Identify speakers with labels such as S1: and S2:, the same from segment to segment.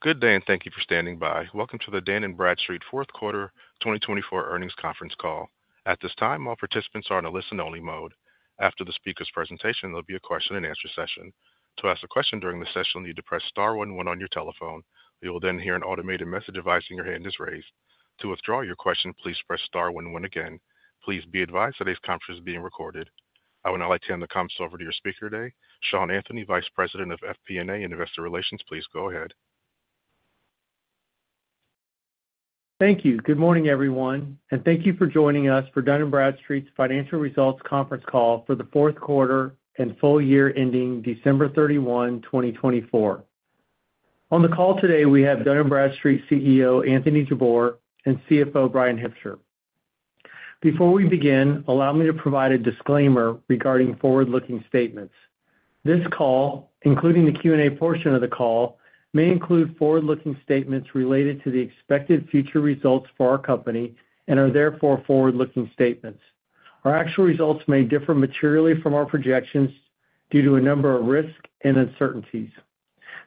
S1: Good day, and thank you for standing by. Welcome to the Dun & Bradstreet Q4 2024 Earnings Conference call. At this time, call participants are in a listen-only mode. After the speaker's presentation, there'll be a Q&A session. To ask a question during the session, you need to press star one one on your telephone. You will then hear an automated message advising your hand is raised. To withdraw your question, please press star one one again. Please be advised today's conference is being recorded. I would now like to hand the comments over to your speaker today, Sean Anthony, Vice President of FP&A and Investor Relations. Please go ahead.
S2: Thank you. Good morning, everyone, and thank you for joining us for Dun & Bradstreet's financial results conference call for the Q4 and full year ending December 31, 2024. On the call today, we have Dun & Bradstreet CEO Anthony Jabbour and CFO Bryan Hipsher. Before we begin, allow me to provide a disclaimer regarding forward-looking statements. This call, including the Q&A portion of the call, may include forward-looking statements related to the expected future results for our company and are therefore forward-looking statements. Our actual results may differ materially from our projections due to a number of risks and uncertainties.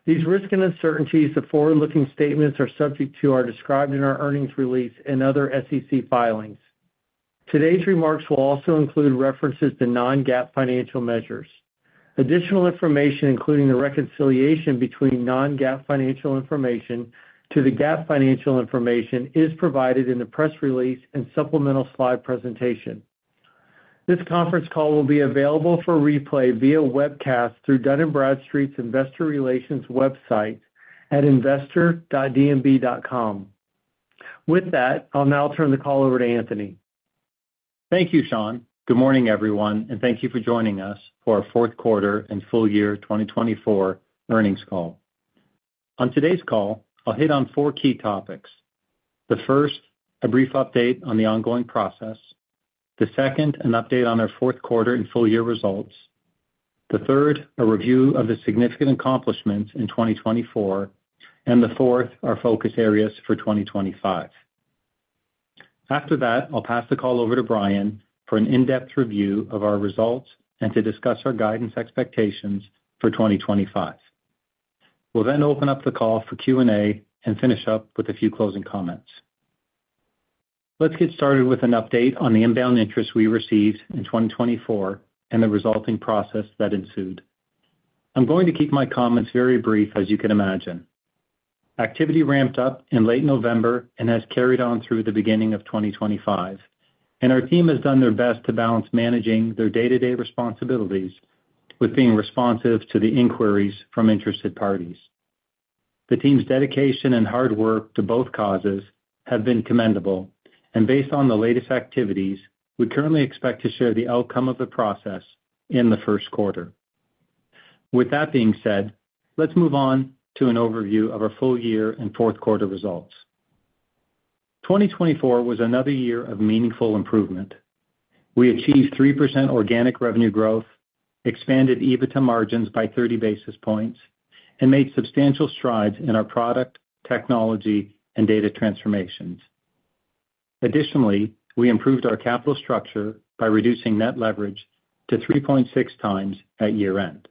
S2: These risks and uncertainties of forward-looking statements are subject to are described in our earnings release and other SEC filings. Today's remarks will also include references to non-GAAP financial measures. Additional information, including the reconciliation between non-GAAP financial information to the GAAP financial information, is provided in the press release and supplemental slide presentation. This conference call will be available for replay via webcast through Dun & Bradstreet's investor relations website at investor.dnb.com. With that, I'll now turn the call over to Anthony.
S3: Thank you, Sean. Good morning, everyone, and thank you for joining us for our Q4 and full year 2024 earnings call. On today's call, I'll hit on four key topics. The first, a brief update on the ongoing process. The second, an update on our Q4 and full year results. The third, a review of the significant accomplishments in 2024. And the fourth, our focus areas for 2025. After that, I'll pass the call over to Bryan for an in-depth review of our results and to discuss our guidance expectations for 2025. We'll then open up the call for Q&A and finish up with a few closing comments. Let's get started with an update on the inbound interest we received in 2024 and the resulting process that ensued. I'm going to keep my comments very brief, as you can imagine. Activity ramped up in late November and has carried on through the beginning of 2025, and our team has done their best to balance managing their day-to-day responsibilities with being responsive to the inquiries from interested parties. The team's dedication and hard work to both causes have been commendable, and based on the latest activities, we currently expect to share the outcome of the process in the Q1. With that being said, let's move on to an overview of our full year and Q4 results. 2024 was another year of meaningful improvement. We achieved 3% organic revenue growth, expanded EBITDA margins by 30 basis points, and made substantial strides in our product, technology, and data transformations. Additionally, we improved our capital structure by reducing net leverage to 3.6 times at year-end.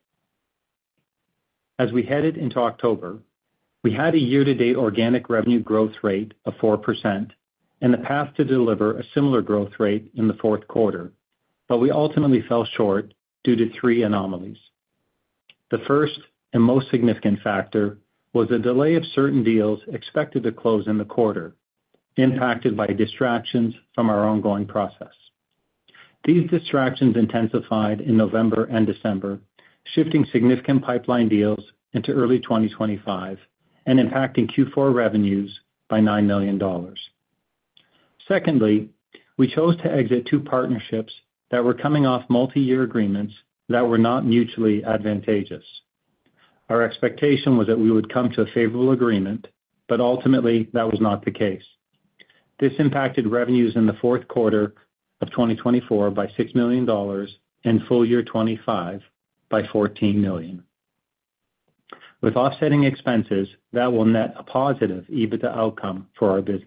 S3: As we headed into October, we had a year-to-date organic revenue growth rate of 4% and the path to deliver a similar growth rate in the Q4, but we ultimately fell short due to three anomalies. The first and most significant factor was the delay of certain deals expected to close in the quarter, impacted by distractions from our ongoing process. These distractions intensified in November and December, shifting significant pipeline deals into early 2025 and impacting Q4 revenues by $9 million. Secondly, we chose to exit two partnerships that were coming off multi-year agreements that were not mutually advantageous. Our expectation was that we would come to a favorable agreement, but ultimately that was not the case. This impacted revenues in the Q4 of 2024 by $6 million and full year 2025 by $14 million. With offsetting expenses, that will net a positive EBITDA outcome for our business.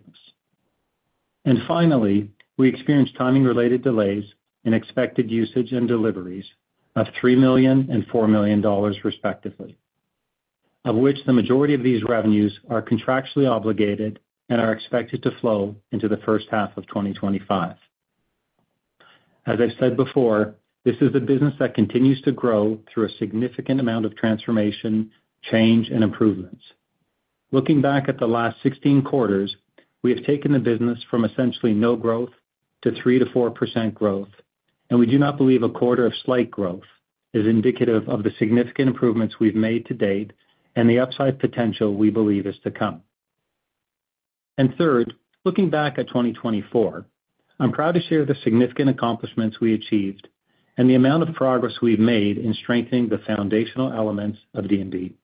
S3: Finally, we experienced timing-related delays in expected usage and deliveries of $3 million and $4 million, respectively, of which the majority of these revenues are contractually obligated and are expected to flow into the first half of 2025. As I've said before, this is a business that continues to grow through a significant amount of transformation, change, and improvements. Looking back at the last 16 quarters, we have taken the business from essentially no growth to 3%-4% growth, and we do not believe a quarter of slight growth is indicative of the significant improvements we've made to date and the upside potential we believe is to come. And third, looking back at 2024, I'm proud to share the significant accomplishments we achieved and the amount of progress we've made in strengthening the foundational elements of D&B.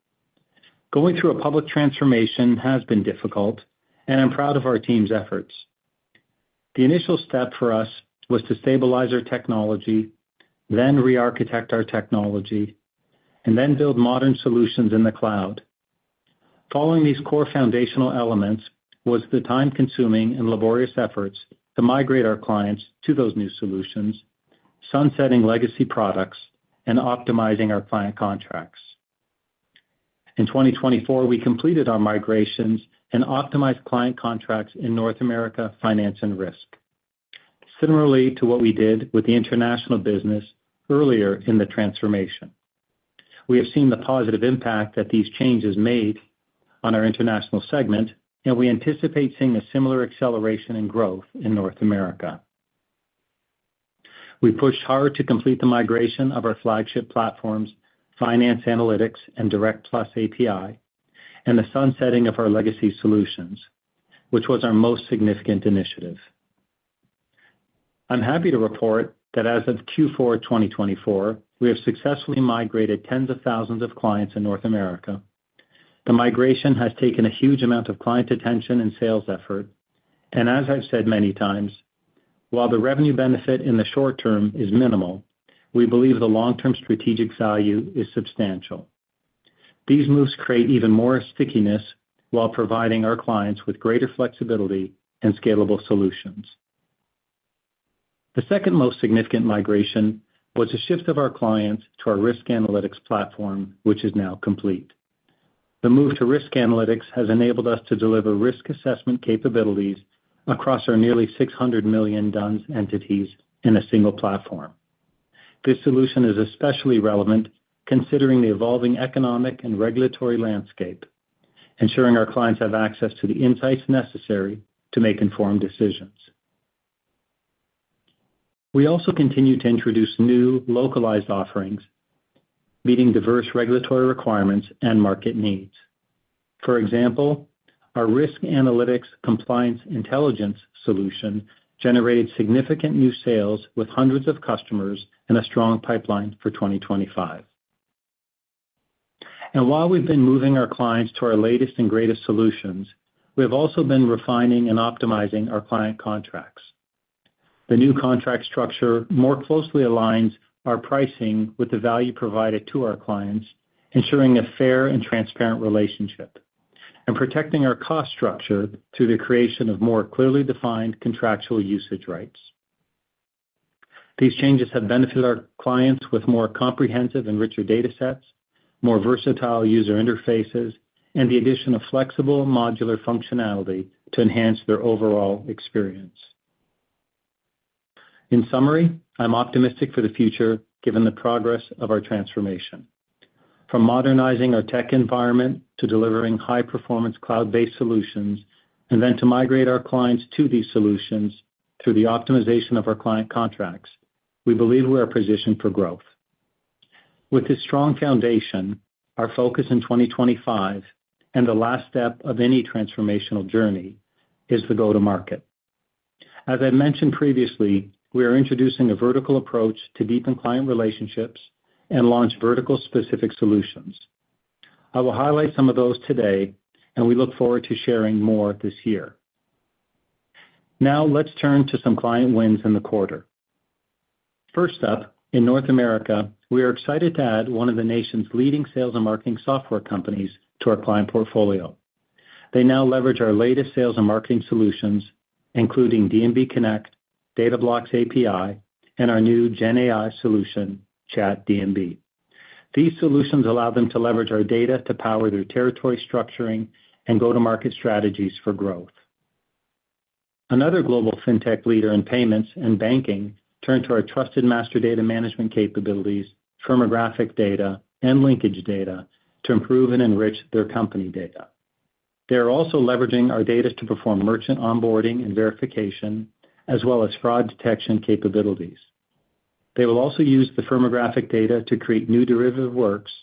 S3: Going through a public transformation has been difficult, and I'm proud of our team's efforts. The initial step for us was to stabilize our technology, then re-architect our technology, and then build modern solutions in the cloud. Following these core foundational elements was the time-consuming and laborious efforts to migrate our clients to those new solutions, sunsetting legacy products, and optimizing our client contracts. In 2024, we completed our migrations and optimized client contracts in North America Finance and Risk, similarly to what we did with the international business earlier in the transformation. We have seen the positive impact that these changes made on our international segment, and we anticipate seeing a similar acceleration in growth in North America. We pushed hard to complete the migration of our flagship platforms, Finance Analytics and D&B Direct+ API, and the sunsetting of our legacy solutions, which was our most significant initiative. I'm happy to report that as of Q4 2024, we have successfully migrated tens of thousands of clients in North America. The migration has taken a huge amount of client attention and sales effort, and as I've said many times, while the revenue benefit in the short term is minimal, we believe the long-term strategic value is substantial. These moves create even more stickiness while providing our clients with greater flexibility and scalable solutions. The second most significant migration was a shift of our clients to our Risk Analytics platform, which is now complete. The move to Risk Analytics has enabled us to deliver risk assessment capabilities across our nearly 600 million DUNS entities in a single platform. This solution is especially relevant considering the evolving economic and regulatory landscape, ensuring our clients have access to the insights necessary to make informed decisions. We also continue to introduce new localized offerings, meeting diverse regulatory requirements and market needs. For example, our Risk Analytics Compliance Intelligence solution generated significant new sales with hundreds of customers and a strong pipeline for 2025. While we've been moving our clients to our latest and greatest solutions, we have also been refining and optimizing our client contracts. The new contract structure more closely aligns our pricing with the value provided to our clients, ensuring a fair and transparent relationship and protecting our cost structure through the creation of more clearly defined contractual usage rights. These changes have benefited our clients with more comprehensive and richer data sets, more versatile user interfaces, and the addition of flexible modular functionality to enhance their overall experience. In summary, I'm optimistic for the future given the progress of our transformation. From modernizing our tech environment to delivering high-performance cloud-based solutions, and then to migrate our clients to these solutions through the optimization of our client contracts, we believe we are positioned for growth. With this strong foundation, our focus in 2025 and the last step of any transformational journey is the go-to-market. As I mentioned previously, we are introducing a vertical approach to deepen client relationships and launch vertical-specific solutions. I will highlight some of those today, and we look forward to sharing more this year. Now, let's turn to some client wins in the quarter. First up, in North America, we are excited to add one of the nation's leading Sales and Marketing software companies to our client portfolio. They now leverage our latest Sales and Marketing solutions, including D&B Connect, D&B DataBlocks API, and our new GenAI solution, ChatD&B. These solutions allow them to leverage our data to power their territory structuring and go-to-market strategies for growth. Another global fintech leader in payments and banking turned to our trusted Master Data Management capabilities, firmographic data, and linkage data to improve and enrich their company data. They are also leveraging our data to perform merchant onboarding and verification, as well as fraud detection capabilities. They will also use the firmographic data to create new derivative works.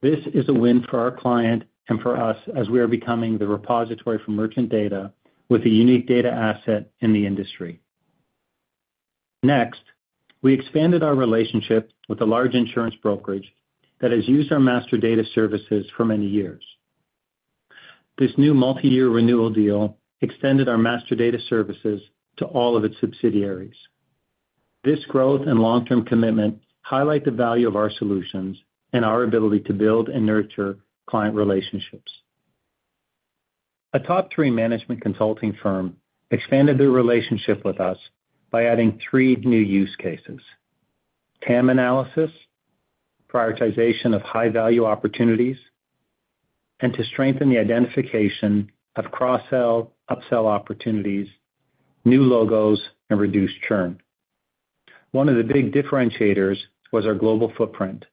S3: This is a win for our client and for us as we are becoming the repository for merchant data with a unique data asset in the industry. Next, we expanded our relationship with a large insurance brokerage that has used our master data services for many years. This new multi-year renewal deal extended our master data services to all of its subsidiaries. This growth and long-term commitment highlight the value of our solutions and our ability to build and nurture client relationships. A top-tier management consulting firm expanded their relationship with us by adding three new use cases: TAM analysis, prioritization of high-value opportunities, and to strengthen the identification of cross-sell, upsell opportunities, new logos, and reduced churn. One of the big differentiators was our global footprint,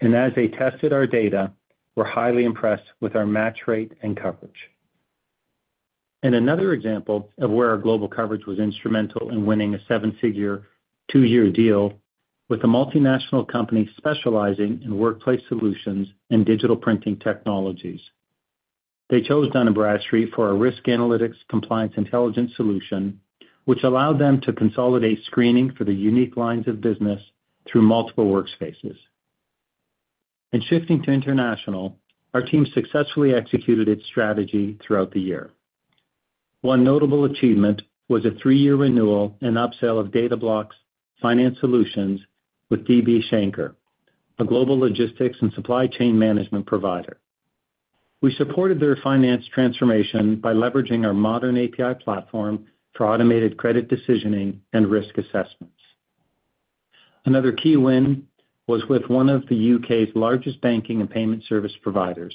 S3: and as they tested our data, we're highly impressed with our match rate and coverage. Another example of where our global coverage was instrumental in winning a seven-figure two-year deal with a multinational company specializing in workplace solutions and digital printing technologies. They chose Dun & Bradstreet for our risk analytics Compliance Intelligence solution, which allowed them to consolidate screening for the unique lines of business through multiple workspaces. In shifting to international, our team successfully executed its strategy throughout the year. One notable achievement was a three-year renewal and upsell of DataBlocks Finance Solutions with DB Schenker, a global logistics and supply chain management provider. We supported their finance transformation by leveraging our modern API platform for automated credit decisioning and risk assessments. Another key win was with one of the U.K.'s largest banking and payment service providers.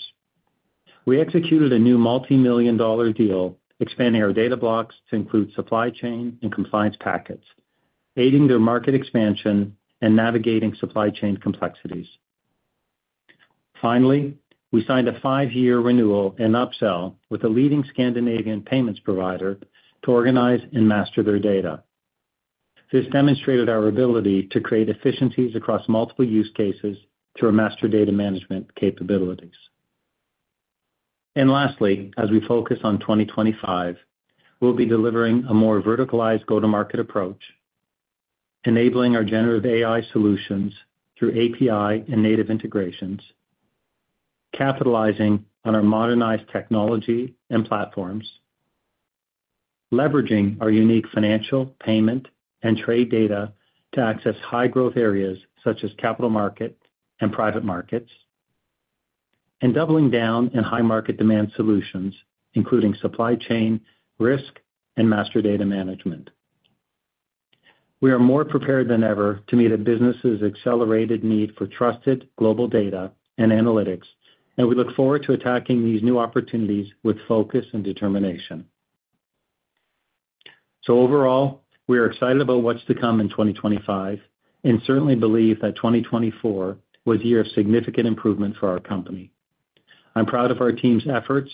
S3: We executed a new multi-million-dollar deal, expanding our DataBlocks to include supply chain and compliance packets, aiding their market expansion and navigating supply chain complexities. Finally, we signed a five-year renewal and upsell with a leading Scandinavian payments provider to organize and master their data. This demonstrated our ability to create efficiencies across multiple use cases through our Master Data Management capabilities. Lastly, as we focus on 2025, we'll be delivering a more verticalized go-to-market approach, enabling our generative AI solutions through API and native integrations, capitalizing on our modernized technology and platforms, leveraging our unique financial, payment, and trade data to access high-growth areas such as capital markets and private markets, and doubling down in high-market demand solutions, including supply chain risk and Master Data Management. We are more prepared than ever to meet a business's accelerated need for trusted global data and analytics, and we look forward to attacking these new opportunities with focus and determination. Overall, we are excited about what's to come in 2025 and certainly believe that 2024 was a year of significant improvement for our company. I'm proud of our team's efforts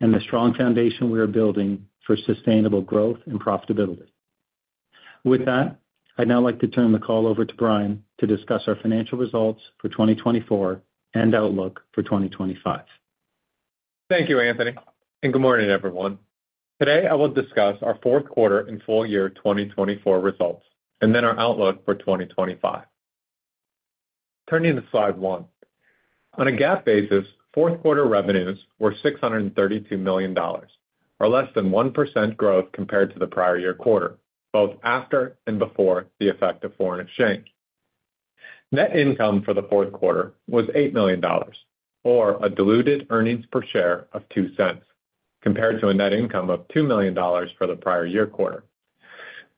S3: and the strong foundation we are building for sustainable growth and profitability. With that, I'd now like to turn the call over to Bryan to discuss our financial results for 2024 and outlook for 2025.
S4: Thank you, Anthony. Good morning, everyone. Today, I will discuss our Q4 and full year 2024 results, and then our outlook for 2025. Turning to slide one, on a GAAP basis, Q4 revenues were $632 million, or less than 1% growth compared to the prior year quarter, both after and before the effect of foreign exchange. Net income for the Q4 was $8 million, or a diluted earnings per share of $0.02, compared to a net income of $2 million for the prior year quarter.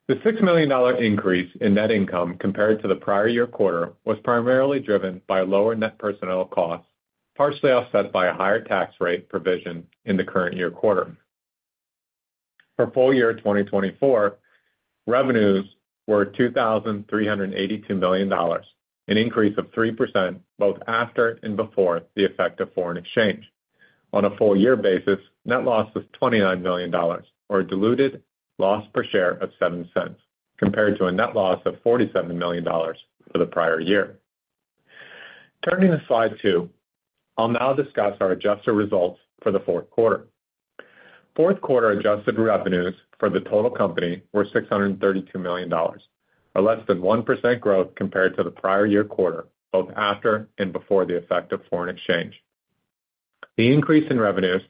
S4: The $6 million increase in net income compared to the prior year quarter was primarily driven by lower net personnel costs, partially offset by a higher tax rate provision in the current year quarter. For full year 2024, revenues were $2,382 million, an increase of 3% both after and before the effect of foreign exchange. On a full year basis, net loss was $29 million, or a diluted loss per share of $0.07, compared to a net loss of $47 million for the prior year. Turning to slide two, I'll now discuss our adjusted results for the Q4. Q4 adjusted revenues for the total company were $632 million, or less than 1% growth compared to the prior year quarter, both after and before the effect of foreign exchange. The increase in revenues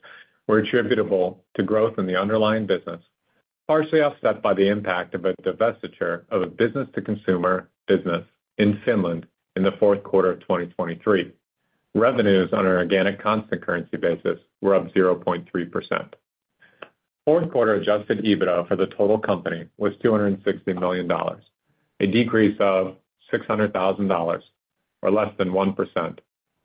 S4: was attributable to growth in the underlying business, partially offset by the impact of a divestiture of a business-to-consumer business in Finland in the Q4 of 2023. Revenues on an organic constant currency basis were up 0.3%. Q4 adjusted EBITDA for the total company was $260 million, a decrease of $600,000, or less than 1%,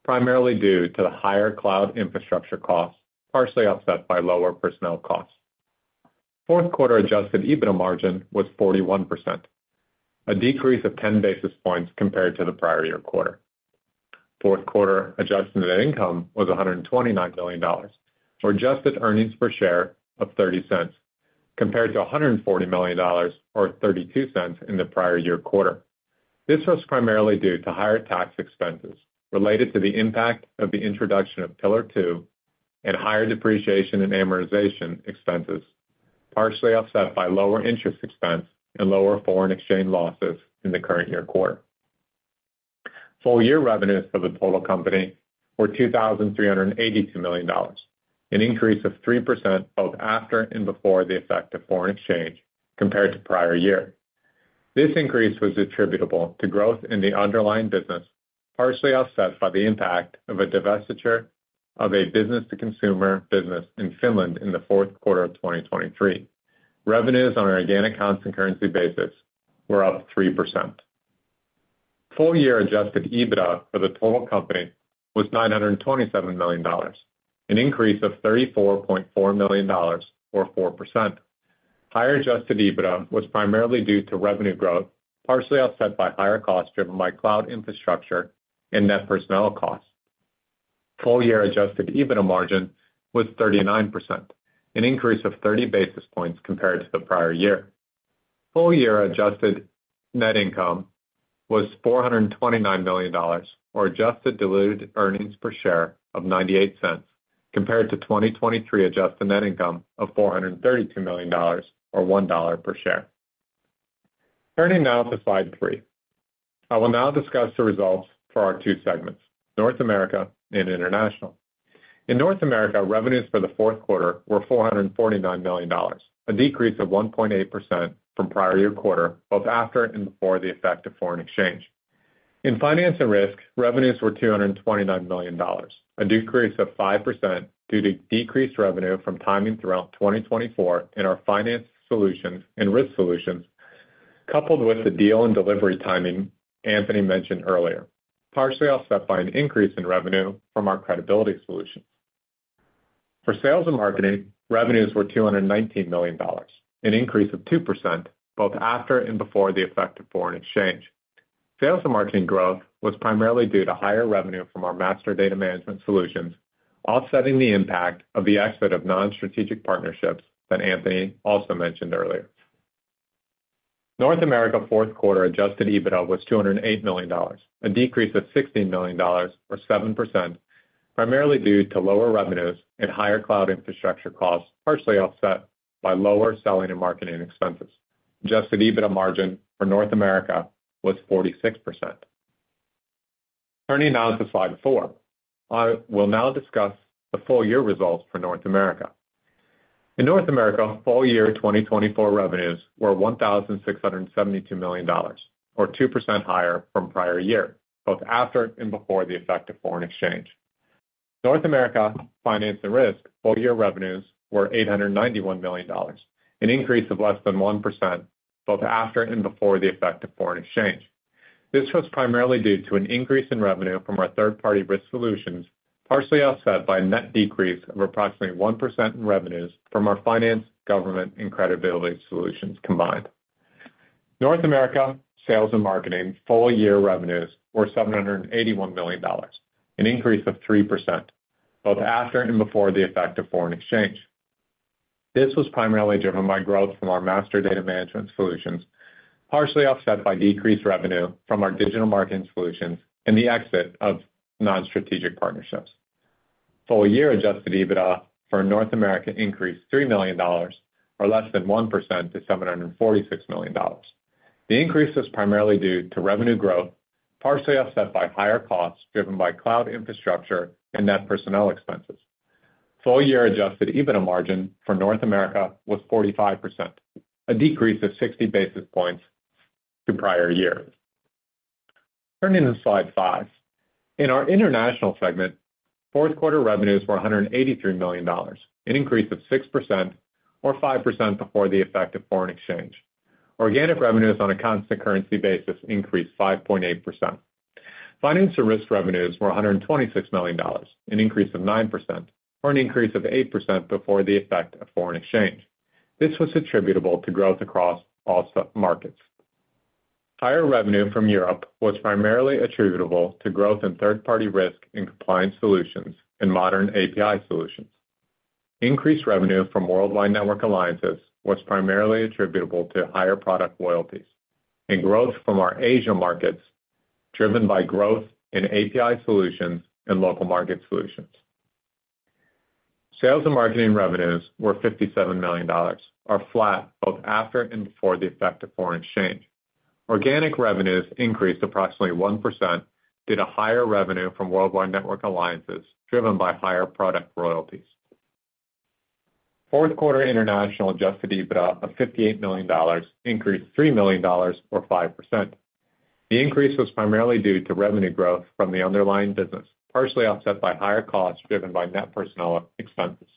S4: primarily due to the higher cloud infrastructure costs, partially offset by lower personnel costs. Q4 adjusted EBITDA margin was 41%, a decrease of 10 basis points compared to the prior year quarter. Q4 adjusted net income was $129 million, or adjusted earnings per share of $0.30, compared to $140 million, or $0.32 in the prior year quarter. This was primarily due to higher tax expenses related to the impact of the introduction of Pillar Two and higher depreciation and amortization expenses, partially offset by lower interest expense and lower foreign exchange losses in the current year quarter. Full year revenues for the total company were $2,382 million, an increase of 3% both after and before the effect of foreign exchange compared to prior year. This increase was attributable to growth in the underlying business, partially offset by the impact of a divestiture of a business-to-consumer business in Finland in the Q4 of 2023. Revenues on an organic constant currency basis were up 3%. Full year adjusted EBITDA for the total company was $927 million, an increase of $34.4 million, or 4%. Higher adjusted EBITDA was primarily due to revenue growth, partially offset by higher costs driven by cloud infrastructure and net personnel costs. Full year adjusted EBITDA margin was 39%, an increase of 30 basis points compared to the prior year. Full year adjusted net income was $429 million, or adjusted diluted earnings per share of $0.98, compared to 2023 adjusted net income of $432 million, or $1 per share. Turning now to slide three, I will now discuss the results for our two segments, North America and International. In North America, revenues for the Q4 were $449 million, a decrease of 1.8% from prior year quarter, both after and before the effect of foreign exchange. In Finance and Risk, revenues were $229 million, a decrease of 5% due to decreased revenue from timing throughout 2024 in our Finance Solutions and Risk Solutions, coupled with the deal and delivery timing Anthony mentioned earlier, partially offset by an increase in revenue from our Credibility Solutions. For Sales and Marketing, revenues were $219 million, an increase of 2% both after and before the effect of foreign exchange. Sales and Marketing growth was primarily due to higher revenue from our Master Data Management solutions, offsetting the impact of the exit of non-strategic partnerships that Anthony also mentioned earlier. North America Q4 adjusted EBITDA was $208 million, a decrease of $16 million, or 7%, primarily due to lower revenues and higher cloud infrastructure costs, partially offset by lower selling and marketing expenses. Adjusted EBITDA margin for North America was 46%. Turning now to slide four, I will now discuss the full year results for North America. In North America, full year 2024 revenues were $1,672 million, or 2% higher from prior year, both after and before the effect of foreign exchange. North America Finance and Risk full year revenues were $891 million, an increase of less than 1% both after and before the effect of foreign exchange. This was primarily due to an increase in revenue from our third-party Risk Solutions, partially offset by a net decrease of approximately 1% in revenues from our finance, government, and Credibility Solutions combined. North America Sales and Marketing full year revenues were $781 million, an increase of 3% both after and before the effect of foreign exchange. This was primarily driven by growth from our Master Data Management solutions, partially offset by decreased revenue from our Digital Marketing Solutions and the exit of non-strategic partnerships. Full year adjusted EBITDA for North America increased $3 million, or less than 1% to $746 million. The increase was primarily due to revenue growth, partially offset by higher costs driven by cloud infrastructure and net personnel expenses. Full year adjusted EBITDA margin for North America was 45%, a decrease of 60 basis points to prior year. Turning to slide five, in our international segment, Q4 revenues were $183 million, an increase of 6%, or 5% before the effect of foreign exchange. Organic revenues on a constant currency basis increased 5.8%. Finance and Risk revenues were $126 million, an increase of 9%, or an increase of 8% before the effect of foreign exchange. This was attributable to growth across all markets. Higher revenue from Europe was primarily attributable to growth in third-party risk and compliance solutions and modern API solutions. Increased revenue from Worldwide Network Alliances was primarily attributable to higher product royalties and growth from our Asia markets driven by growth in API solutions and local market solutions. Sales and Marketing revenues were $57 million, or flat, both after and before the effect of foreign exchange. Organic revenues increased approximately 1% due to higher revenue from Worldwide Network Alliances driven by higher product loyalties. Q4 international adjusted EBITDA of $58 million increased $3 million, or 5%. The increase was primarily due to revenue growth from the underlying business, partially offset by higher costs driven by net personnel expenses.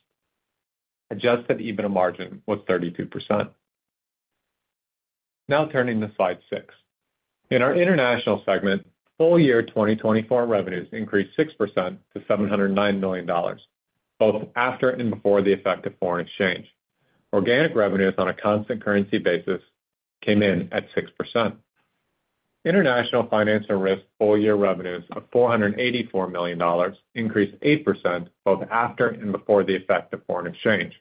S4: Adjusted EBITDA margin was 32%. Now turning to slide six. In our international segment, full year 2024 revenues increased 6% to $709 million, both after and before the effect of foreign exchange. Organic revenues on a constant currency basis came in at 6%. International Finance and Risk full year revenues of $484 million increased 8% both after and before the effect of foreign exchange.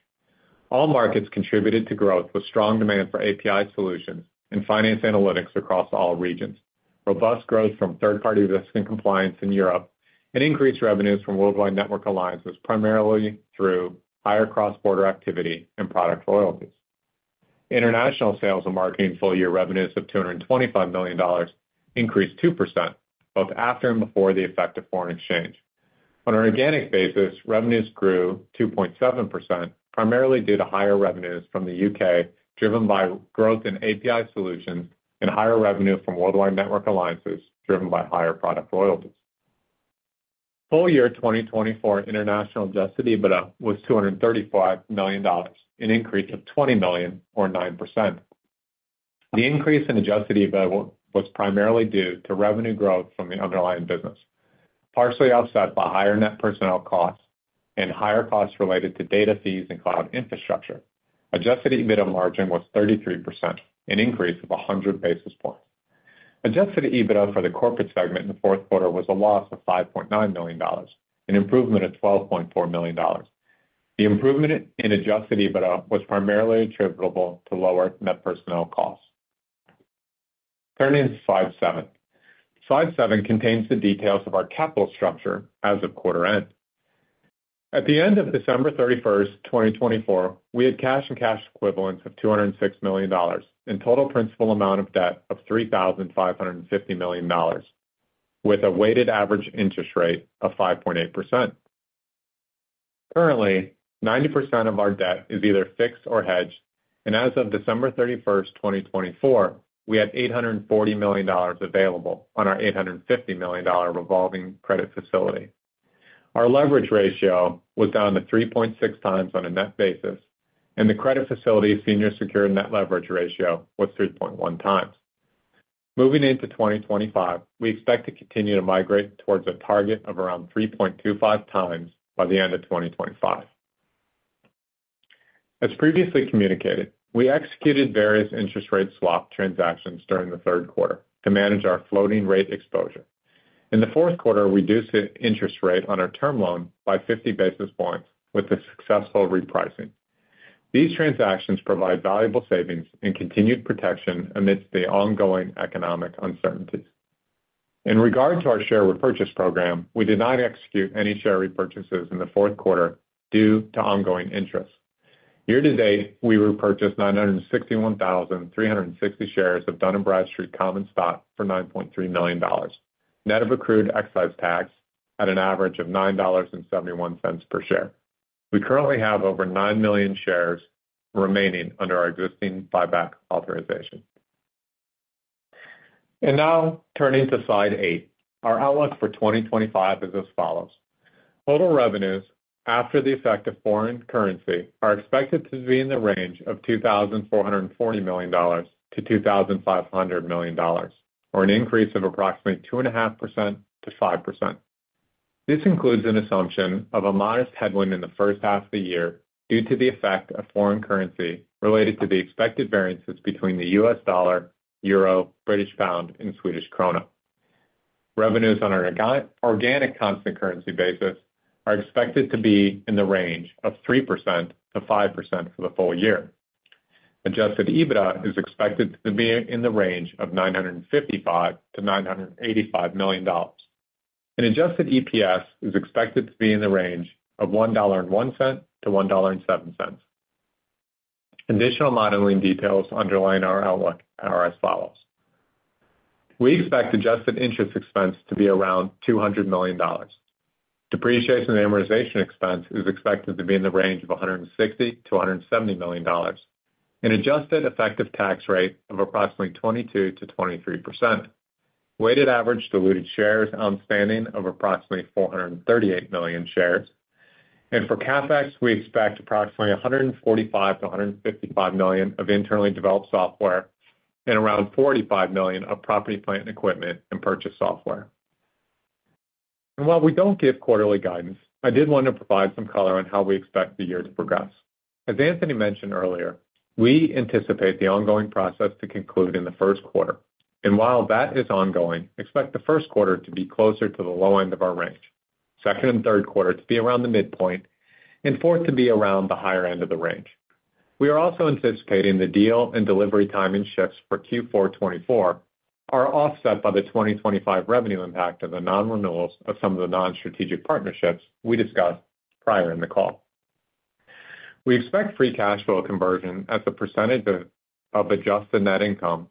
S4: All markets contributed to growth with strong demand for API solutions and finance analytics across all regions, robust growth from third-party risk and compliance in Europe, and increased revenues from Worldwide Network Alliances primarily through higher cross-border activity and product loyalties. International Sales and Marketing full year revenues of $225 million increased 2% both after and before the effect of foreign exchange. On an organic basis, revenues grew 2.7%, primarily due to higher revenues from the UK driven by growth in API solutions and higher revenue from Worldwide Network Alliances driven by higher product loyalties. Full year 2024 international adjusted EBITDA was $235 million, an increase of $20 million, or 9%. The increase in adjusted EBITDA was primarily due to revenue growth from the underlying business, partially offset by higher net personnel costs and higher costs related to data fees and cloud infrastructure. Adjusted EBITDA margin was 33%, an increase of 100 basis points. Adjusted EBITDA for the corporate segment in the Q4 was a loss of $5.9 million, an improvement of $12.4 million. The improvement in adjusted EBITDA was primarily attributable to lower net personnel costs. Turning to slide seven. Slide seven contains the details of our capital structure as of quarter end. At the end of December 31st, 2024, we had cash and cash equivalents of $206 million and total principal amount of debt of $3,550 million, with a weighted average interest rate of 5.8%. Currently, 90% of our debt is either fixed or hedged, and as of December 31st, 2024, we had $840 million available on our $850 million revolving credit facility. Our leverage ratio was down to 3.6 times on a net basis, and the credit facility's senior secured net leverage ratio was 3.1 times. Moving into 2025, we expect to continue to migrate towards a target of around 3.25 times by the end of 2025. As previously communicated, we executed various interest rate swap transactions during the Q3 to manage our floating rate exposure. In the Q4, we reduced the interest rate on our term loan by 50 basis points with the successful repricing. These transactions provide valuable savings and continued protection amidst the ongoing economic uncertainties. In regard to our share repurchase program, we did not execute any share repurchases in the Q4 due to ongoing interest. Year to date, we repurchased 961,360 shares of Dun & Bradstreet Common Stock for $9.3 million, net of accrued excise tax at an average of $9.71 per share. We currently have over 9 million shares remaining under our existing buyback authorization. Now turning to slide eight, our outlook for 2025 is as follows. Total revenues after the effect of foreign currency are expected to be in the range of $2,440-$2,500 million, or an increase of approximately 2.5%-5%. This includes an assumption of a modest headwind in the first half of the year due to the effect of foreign currency related to the expected variances between the U.S. dollar, euro, British pound, and Swedish krona. Revenues on an organic constant currency basis are expected to be in the range of 3%-5% for the full year. Adjusted EBITDA is expected to be in the range of $955-$985 million. An adjusted EPS is expected to be in the range of $1.01-$1.07. Additional modeling details underline our outlook as follows. We expect adjusted interest expense to be around $200 million. Depreciation and amortization expense is expected to be in the range of $160-$170 million. An adjusted effective tax rate of approximately 22%-23%. Weighted average diluted shares outstanding of approximately 438 million shares. And for CapEx, we expect approximately 145-155 million of internally developed software and around 45 million of property, plant, and equipment and purchase software. And while we don't give quarterly guidance, I did want to provide some color on how we expect the year to progress. As Anthony mentioned earlier, we anticipate the ongoing process to conclude in the Q1. And while that is ongoing, expect the Q1 to be closer to the low end of our range, second and Q3 to be around the midpoint, and fourth to be around the higher end of the range. We are also anticipating the deal and delivery timing shifts for Q4 2024 are offset by the 2025 revenue impact of the non-renewals of some of the non-strategic partnerships we discussed prior in the call. We expect free cash flow conversion as a percentage of adjusted net income,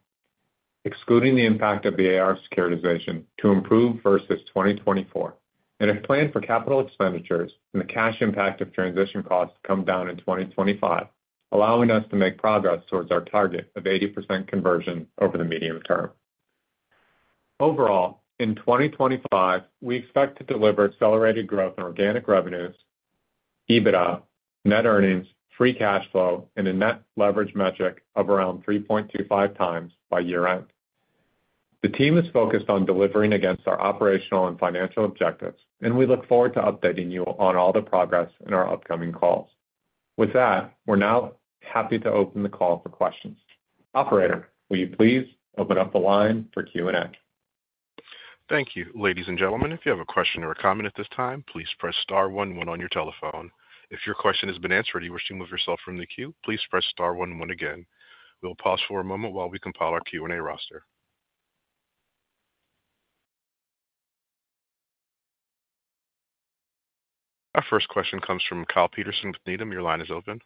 S4: excluding the impact of the AR securitization, to improve versus 2024. And if planned for capital expenditures, the cash impact of transition costs come down in 2025, allowing us to make progress towards our target of 80% conversion over the medium term. Overall, in 2025, we expect to deliver accelerated growth in organic revenues, EBITDA, net earnings, free cash flow, and a net leverage metric of around 3.25 times by year-end. The team is focused on delivering against our operational and financial objectives, and we look forward to updating you on all the progress in our upcoming calls. With that, we're now happy to open the call for questions. Operator, will you please open up the line for Q&A?
S1: Thank you, ladies and gentlemen. If you have a question or a comment at this time, please press star 1 when on your telephone. If your question has been answered and you wish to move yourself from the queue, please press star 1 when again. We'll pause for a moment while we compile our Q&A roster. Our first question comes from Kyle Peterson with Needham. Your line is open.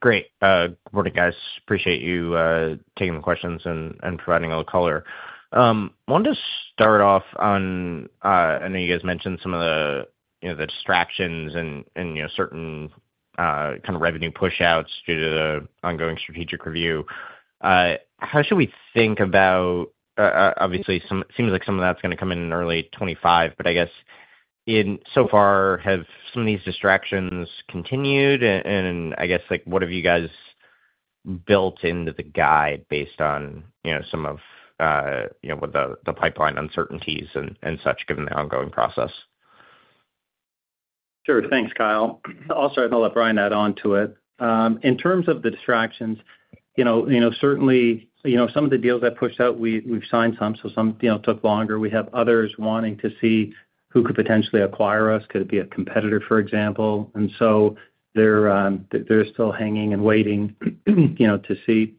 S5: Great. Good morning, guys. Appreciate you taking the questions and providing a little color. I wanted to start off on, I know you guys mentioned some of the distractions and certain kind of revenue push-outs due to the ongoing strategic review. How should we think about, obviously, it seems like some of that's going to come in early 2025, but I guess so far, have some of these distractions continued? And I guess, what have you guys built into the guide based on some of the pipeline uncertainties and such, given the ongoing process?
S3: Sure. Thanks, Kyle. I'll start and I'll let Bryan add on to it. In terms of the distractions, certainly, some of the deals that pushed out, we've signed some, so some took longer. We have others wanting to see who could potentially acquire us, could it be a competitor, for example? And so they're still hanging and waiting to see.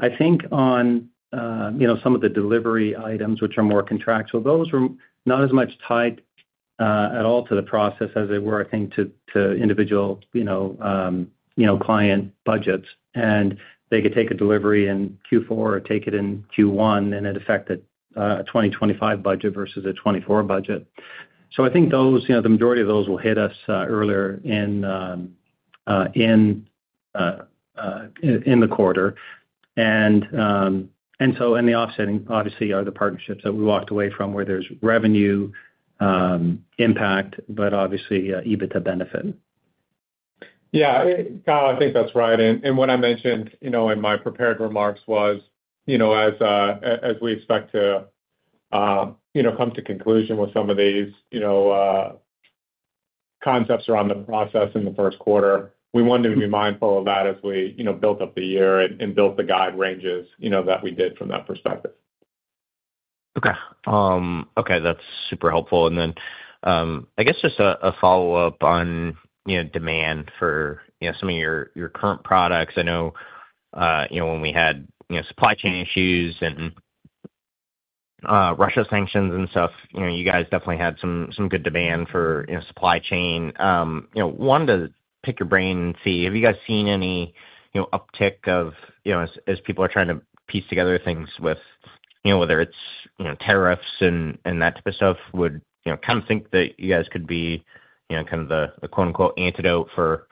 S3: I think on some of the delivery items, which are more contractual, those were not as much tied at all to the process as they were, I think, to individual client budgets. And they could take a delivery in Q4 or take it in Q1 and it affected a 2025 budget versus a 2024 budget. So I think the majority of those will hit us earlier in the quarter. And so in the offsetting, obviously, are the partnerships that we walked away from where there's revenue impact, but obviously, EBITDA benefit.
S4: Yeah. Kyle, I think that's right. And what I mentioned in my prepared remarks was, as we expect to come to conclusion with some of these concepts around the process in the Q1, we wanted to be mindful of that as we built up the year and built the guide ranges that we did from that perspective.
S5: Okay. Okay. That's super helpful. And then I guess just a follow-up on demand for some of your current products. I know when we had supply chain issues and Russia sanctions and stuff, you guys definitely had some good demand for supply chain. I wanted to pick your brain and see, have you guys seen any uptick as people are trying to piece together things with whether it's tariffs and that type of stuff? Would kind of think that you guys could be kind of the "antidote" for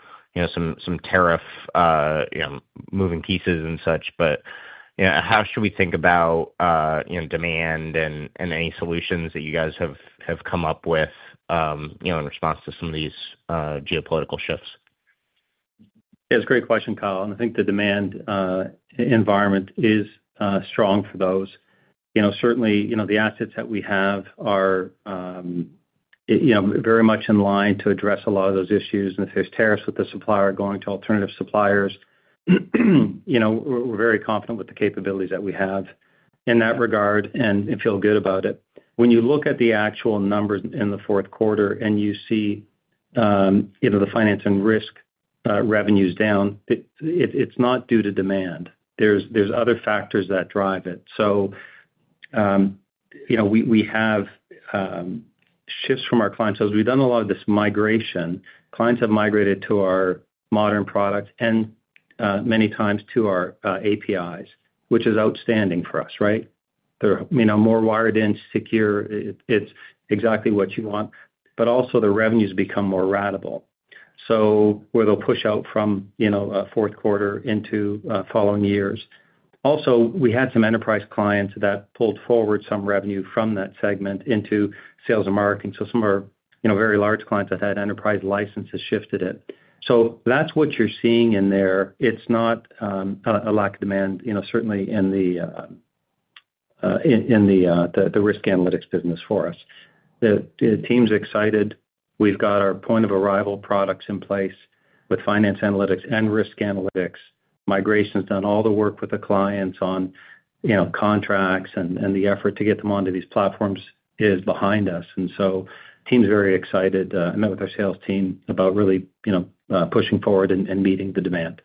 S5: some tariff moving pieces and such. But how should we think about demand and any solutions that you guys have come up with in response to some of these geopolitical shifts?
S3: Yeah. It's a great question, Kyle. And I think the demand environment is strong for those. Certainly, the assets that we have are very much in line to address a lot of those issues. And if there's tariffs with the supplier going to alternative suppliers, we're very confident with the capabilities that we have in that regard and feel good about it. When you look at the actual numbers in the Q4 and you see the Finance and Risk revenues down, it's not due to demand. There's other factors that drive it. So we have shifts from our clients. So we've done a lot of this migration. Clients have migrated to our modern products and many times to our APIs, which is outstanding for us, right? They're more wired in, secure. It's exactly what you want. But also the revenues become more ratable, so where they'll push out from Q4 into following years. Also, we had some enterprise clients that pulled forward some revenue from that segment into Sales and Marketing. So some of our very large clients that had enterprise licenses shifted it. So that's what you're seeing in there. It's not a lack of demand, certainly, in the risk analytics business for us. The team's excited. We've got our point of arrival products in place with finance analytics and risk analytics. Migration's done all the work with the clients on contracts, and the effort to get them onto these platforms is behind us. And so the team's very excited. I met with our sales team about really pushing forward and meeting the demand.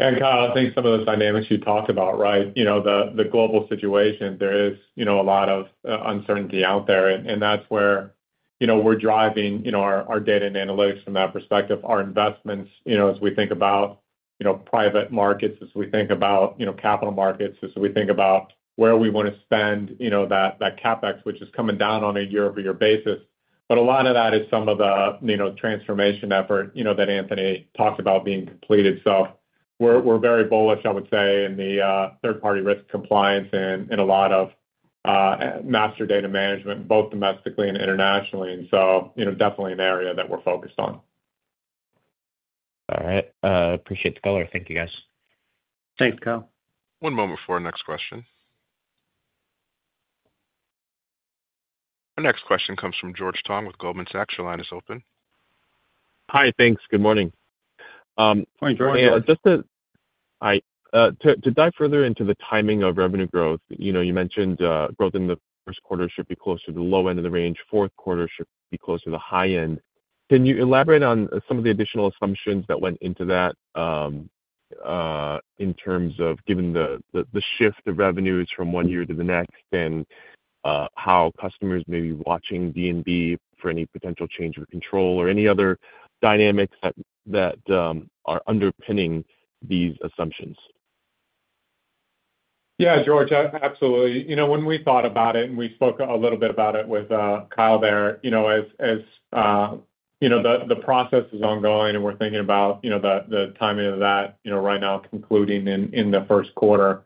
S4: And Kyle, I think some of the dynamics you talked about, right? The global situation, there is a lot of uncertainty out there, and that's where we're driving our data and analytics from that perspective. Our investments, as we think about private markets, as we think about capital markets, as we think about where we want to spend that CapEx, which is coming down on a year-over-year basis. But a lot of that is some of the transformation effort that Anthony talked about being completed. So we're very bullish, I would say, in the third-party risk compliance and a lot of Master Data Management, both domestically and internationally. And so definitely an area that we're focused on.
S5: All right. Appreciate the color. Thank you, guys.
S3: Thanks, Kyle.
S1: One moment before our next question. Our next question comes from George Tong with Goldman Sachs. Your line is open.
S6: Hi. Thanks. Good morning.
S3: Morning, George.
S6: Just to dive further into the timing of revenue growth, you mentioned growth in the Q1 should be closer to the low end of the range. Q4 should be closer to the high end. Can you elaborate on some of the additional assumptions that went into that in terms of given the shift of revenues from one year to the next and how customers may be watching D&B for any potential change of control or any other dynamics that are underpinning these assumptions?
S4: Yeah, George, absolutely. When we thought about it and we spoke a little bit about it with Kyle there, as the process is ongoing and we're thinking about the timing of that right now concluding in the Q1,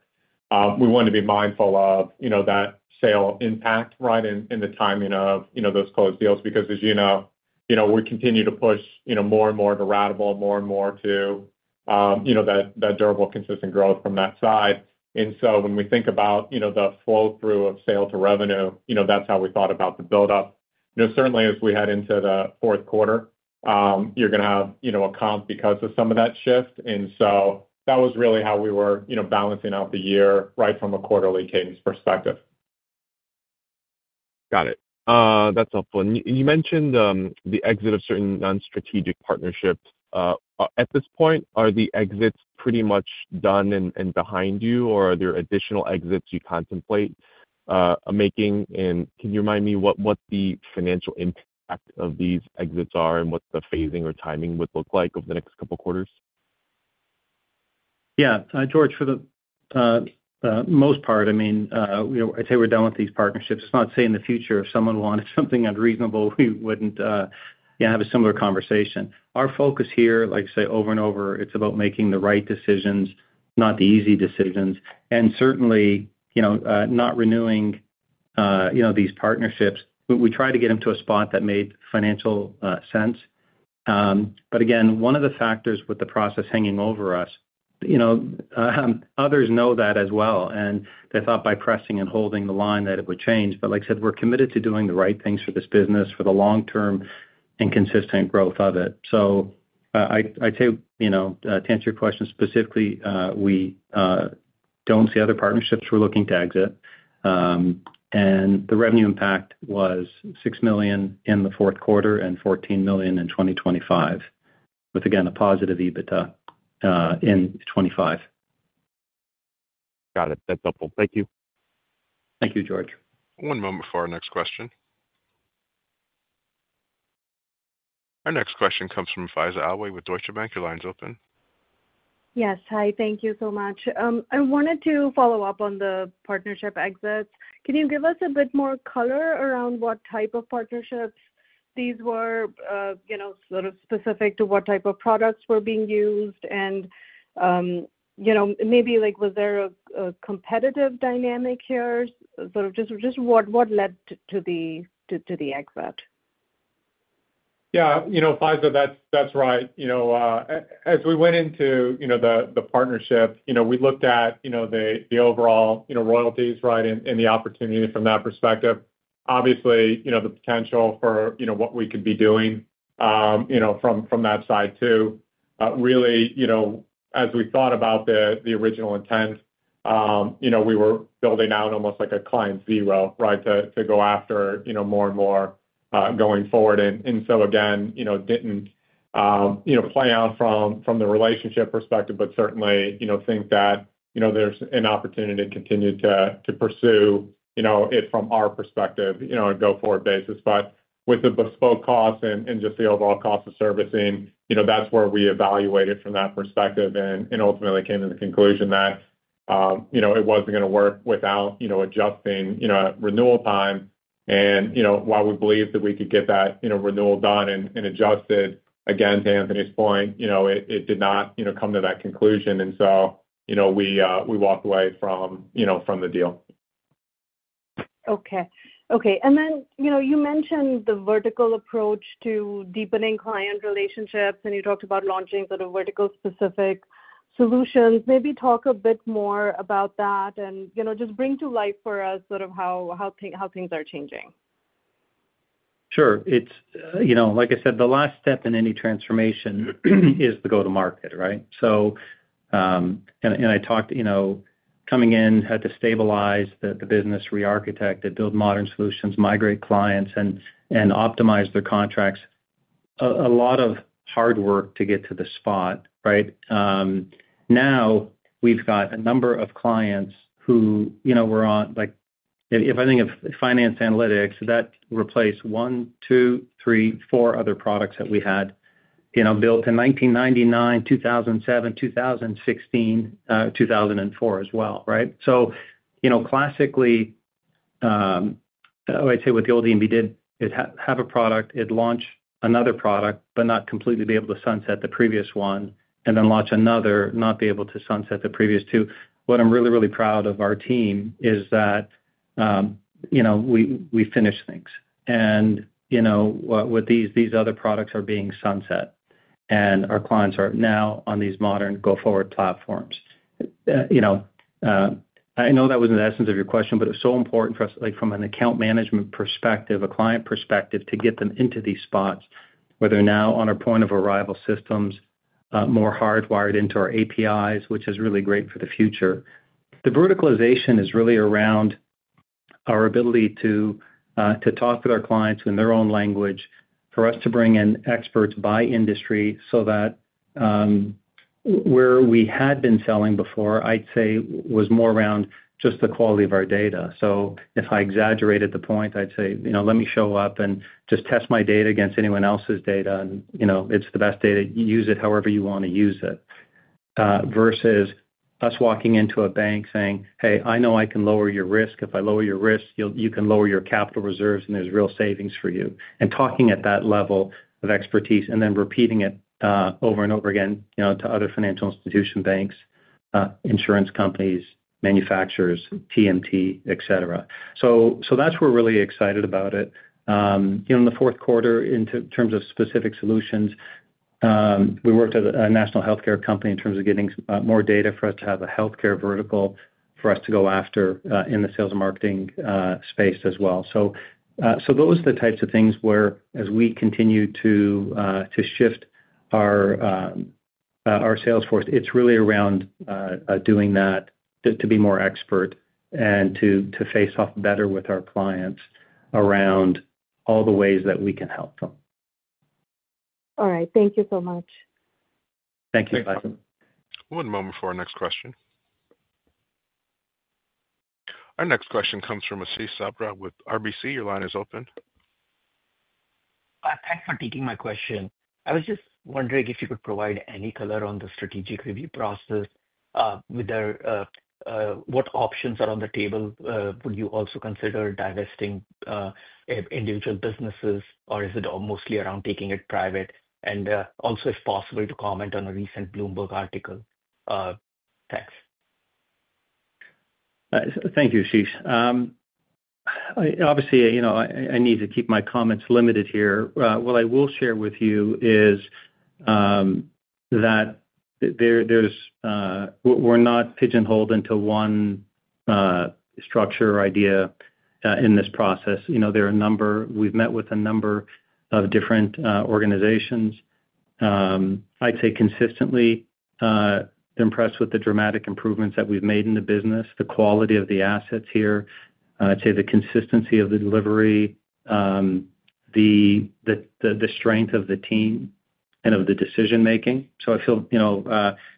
S4: we want to be mindful of that sale impact, right, and the timing of those closed deals. Because as you know, we continue to push more and more to ratable, more and more to that durable, consistent growth from that side. And so when we think about the flow-through of sale to revenue, that's how we thought about the build-up. Certainly, as we head into the Q4, you're going to have a comp because of some of that shift. And so that was really how we were balancing out the year right from a quarterly cadence perspective.
S6: Got it. That's helpful. And you mentioned the exit of certain non-strategic partnerships. At this point, are the exits pretty much done and behind you, or are there additional exits you contemplate making? And can you remind me what the financial impact of these exits are and what the phasing or timing would look like over the next couple of quarters?
S3: Yeah. George, for the most part, I mean, I'd say we're done with these partnerships. It's not to say in the future, if someone wanted something unreasonable, we wouldn't have a similar conversation. Our focus here, like I say over and over, it's about making the right decisions, not the easy decisions. And certainly, not renewing these partnerships. We tried to get them to a spot that made financial sense. But again, one of the factors with the process hanging over us, others know that as well. And they thought by pressing and holding the line that it would change. But like I said, we're committed to doing the right things for this business for the long-term and consistent growth of it. So I'd say to answer your question specifically, we don't see other partnerships we're looking to exit. And the revenue impact was $6 million in the Q4 and $14 million in 2025, with, again, a positive EBITDA in 2025.
S6: Got it. That's helpful. Thank you.
S3: Thank you, George.
S1: One moment before our next question. Our next question comes from Faiza Alwy with Deutsche Bank. Your line's open.
S7: Yes. Hi. Thank you so much. I wanted to follow up on the partnership exits. Can you give us a bit more color around what type of partnerships these were, sort of specific to what type of products were being used? And maybe was there a competitive dynamic here? Sort of just what led to the exit?
S4: Yeah. Faiza, that's right. As we went into the partnership, we looked at the overall royalties, right, and the opportunity from that perspective. Obviously, the potential for what we could be doing from that side too. Really, as we thought about the original intent, we were building out almost like a client zero, right, to go after more and more going forward.
S3: And so again, didn't play out from the relationship perspective, but certainly think that there's an opportunity to continue to pursue it from our perspective on a go-forward basis. But with the bespoke costs and just the overall cost of servicing, that's where we evaluated from that perspective and ultimately came to the conclusion that it wasn't going to work without adjusting renewal time. And while we believed that we could get that renewal done and adjusted, again, to Anthony's point, it did not come to that conclusion. And so we walked away from the deal.
S7: Okay. Okay. And then you mentioned the vertical approach to deepening client relationships, and you talked about launching sort of vertical-specific solutions. Maybe talk a bit more about that and just bring to life for us sort of how things are changing.
S3: Sure. Like I said, the last step in any transformation is the go-to-market, right? And I talked coming in, had to stabilize the business, re-architect, build modern solutions, migrate clients, and optimize their contracts. A lot of hard work to get to the spot, right? Now we've got a number of clients who were on, if I think of Finance Analytics, that replaced one, two, three, four other products that we had built in 1999, 2007, 2016, 2004 as well, right? So classically, I'd say with the old D&B, it had a product, it launched another product, but not completely be able to sunset the previous one, and then launch another, not be able to sunset the previous two. What I'm really, really proud of our team is that we finish things. And with these other products are being sunset, and our clients are now on these modern go-forward platforms. I know that wasn't the essence of your question, but it was so important for us from an account management perspective, a client perspective, to get them into these spots, whether now on our point of arrival systems, more hardwired into our APIs, which is really great for the future. The verticalization is really around our ability to talk with our clients in their own language, for us to bring in experts by industry so that where we had been selling before, I'd say, was more around just the quality of our data. So if I exaggerated the point, I'd say, "Let me show up and just test my data against anyone else's data. And it's the best data. Use it however you want to use it," versus us walking into a bank saying, "Hey, I know I can lower your risk. If I lower your risk, you can lower your capital reserves, and there's real savings for you," and talking at that level of expertise and then repeating it over and over again to other financial institutions, banks, insurance companies, manufacturers, TMT, etc. So that's where we're really excited about it. In the Q4, in terms of specific solutions, we worked with a national healthcare company in terms of getting more data for us to have a healthcare vertical for us to go after in the Sales and Marketing space as well. So those are the types of things where, as we continue to shift our sales force, it's really around doing that to be more expert and to face off better with our clients around all the ways that we can help them.
S7: All right. Thank you so much.
S3: Thank you.
S1: One moment before our next question. Our next question comes from Ashish Sabadra with RBC. Your line is open.
S8: Thanks for taking my question. I was just wondering if you could provide any color on the strategic review process with what options are on the table. Would you also consider divesting individual businesses, or is it mostly around taking it private? And also, if possible, to comment on a recent Bloomberg article. Thanks.
S3: Thank you, Ashish. Obviously, I need to keep my comments limited here. What I will share with you is that we're not pigeonholed into one structure or idea in this process. There are a number we've met with a number of different organizations. I'd say consistently impressed with the dramatic improvements that we've made in the business, the quality of the assets here, I'd say the consistency of the delivery, the strength of the team, and of the decision-making. I feel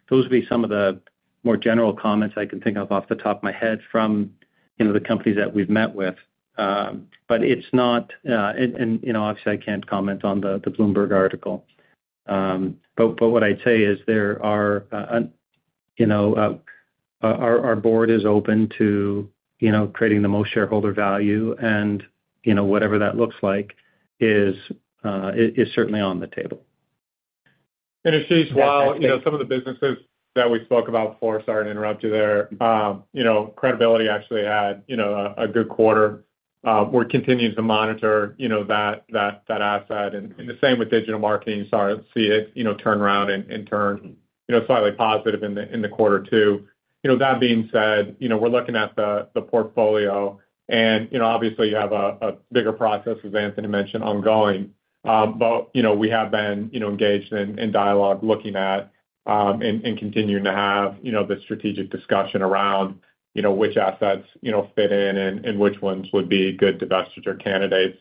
S3: those would be some of the more general comments I can think of off the top of my head from the companies that we've met with. But it's not, and obviously, I can't comment on the Bloomberg article. But what I'd say is our board is open to creating the most shareholder value, and whatever that looks like is certainly on the table.
S4: And Ashish, while some of the businesses that we spoke about before, sorry to interrupt you there, credibility actually had a good quarter, we're continuing to monitor that asset. And the same with digital marketing. Sorry to see it turn around and turn slightly positive in the quarter two. That being said, we're looking at the portfolio, and obviously, you have a bigger process, as Anthony mentioned, ongoing. But we have been engaged in dialogue looking at and continuing to have the strategic discussion around which assets fit in and which ones would be good divestiture candidates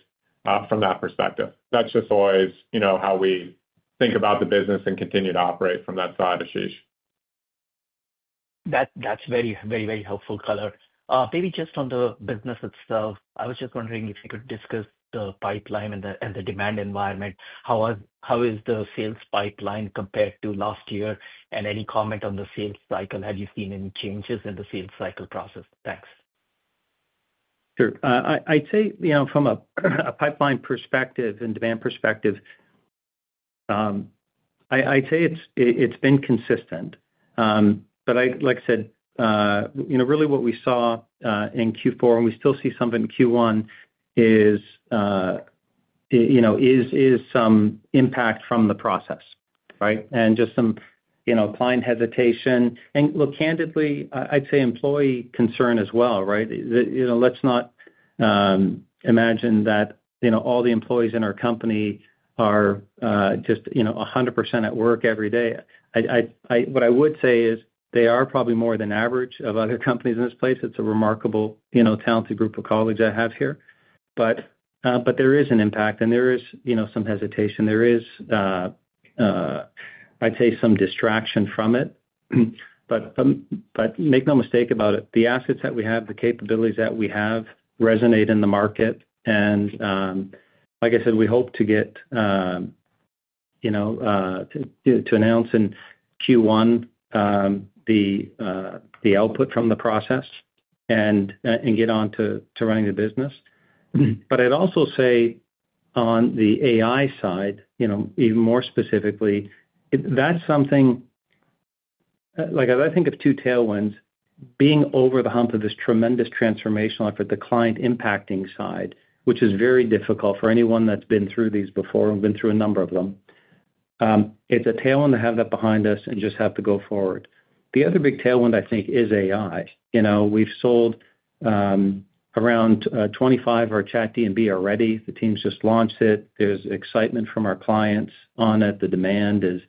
S4: from that perspective. That's just always how we think about the business and continue to operate from that side, Ashish.
S8: That's very, very, very helpful color. Maybe just on the business itself, I was just wondering if you could discuss the pipeline and the demand environment. How is the sales pipeline compared to last year? And any comment on the sales cycle? Have you seen any changes in the sales cycle process? Thanks.
S3: Sure. I'd say from a pipeline perspective and demand perspective, I'd say it's been consistent, but like I said, really what we saw in Q4, and we still see some of it in Q1, is some impact from the process, right? And just some client hesitation. And look, candidly, I'd say employee concern as well, right? Let's not imagine that all the employees in our company are just 100% at work every day. What I would say is they are probably more than average of other companies in this place. It's a remarkable, talented group of colleagues I have here. But there is an impact, and there is some hesitation. There is, I'd say, some distraction from it. But make no mistake about it. The assets that we have, the capabilities that we have, resonate in the market. And like I said, we hope to get to announce in Q1 the output from the process and get on to running the business. But I'd also say on the AI side, even more specifically, that's something like I think of two tailwinds. Being over the hump of this tremendous transformational effort, the client-impacting side, which is very difficult for anyone that's been through these before and been through a number of them. It's a tailwind to have that behind us and just have to go forward. The other big tailwind, I think, is AI. We've sold around 25 of our ChatD&B already. The team's just launched it. There's excitement from our clients on it. The demand is